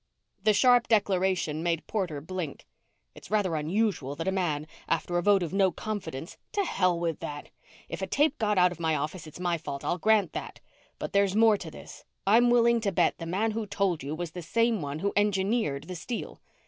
The sharp declaration made Porter blink. "It's rather unusual that a man, after a vote of no confidence " "To hell with that. If a tape got out of my office, it's my fault. I'll grant that. But there's more to this. I'm willing to bet the man who told you was the same one who engineered the steal."